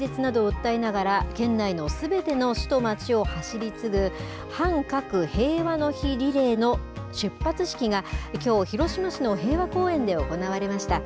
核兵器の廃絶などを訴えながら、県内のすべての市と町を走りつぐ、反核平和の火リレーの出発式が、きょう、広島市の平和公園で行われました。